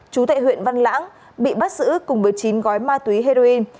chú tại huyện văn lãng bị bắt giữ cùng với chín gói ma túy heroin